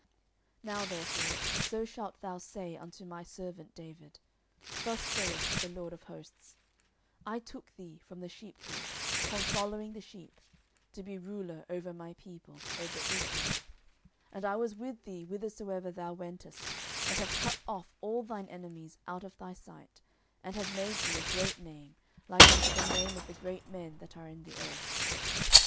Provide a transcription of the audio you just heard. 10:007:008 Now therefore so shalt thou say unto my servant David, Thus saith the LORD of hosts, I took thee from the sheepcote, from following the sheep, to be ruler over my people, over Israel: 10:007:009 And I was with thee whithersoever thou wentest, and have cut off all thine enemies out of thy sight, and have made thee a great name, like unto the name of the great men that are in the earth.